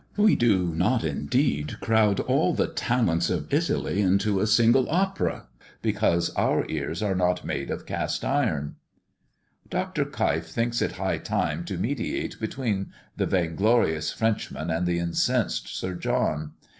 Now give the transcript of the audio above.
We do not, indeed, crowd all the talents of Italy into a single opera, because our ears are not made of cast iron." Dr. Keif thinks it high time to mediate between the vainglorious Frenchman and the incensed Sir John.